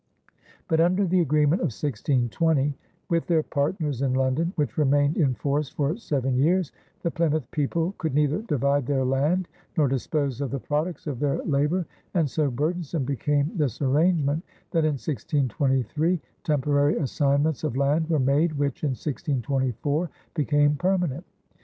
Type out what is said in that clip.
But under the agreement of 1620 with their partners in London, which remained in force for seven years, the Plymouth people could neither divide their land nor dispose of the products of their labor, and so burdensome became this arrangement that in 1623 temporary assignments of land were made which in 1624 became permanent.